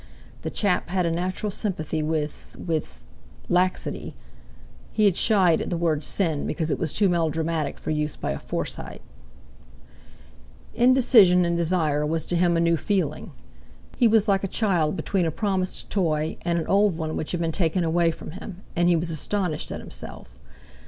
The chap had a natural sympathy with—with—laxity (he had shied at the word sin, because it was too melodramatic for use by a Forsyte). Indecision in desire was to him a new feeling. He was like a child between a promised toy and an old one which had been taken away from him; and he was astonished at himself.